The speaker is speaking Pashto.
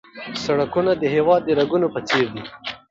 سړکونه د هېواد د رګونو په څېر دي.